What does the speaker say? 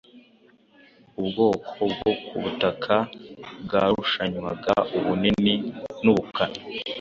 ubwoko bwo ku butaka bwarushanywaga ubunini n’ubukana